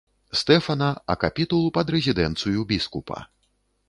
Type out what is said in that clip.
Стэфана, а капітул пад рэзідэнцыю біскупа.